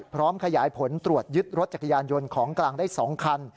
พร้อมขยายผลตรวจยึดรถจักรยานยนต์ของกลางได้๒คัน